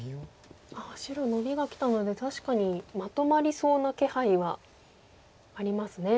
白ノビがきたので確かにまとまりそうな気配はありますね。